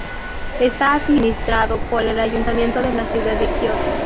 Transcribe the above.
Está administrado por el ayuntamiento de la ciudad de Kioto.